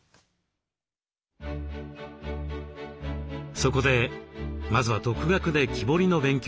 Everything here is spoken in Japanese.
そこでまずは独学で木彫りの勉強を始めました。